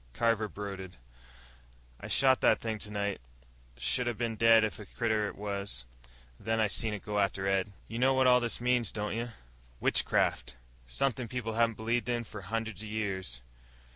Carver brooded. "I shot that thing tonight. Should 'a been dead if a critter ever was. Then I seen it go after Ed." "You know what all this means, don't you? Witchcraft. Something people haven't believed in for hundreds of years."